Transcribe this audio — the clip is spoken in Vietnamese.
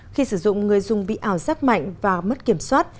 khi sử dụng người dùng bị ảo giác mạnh và mất kiểm soát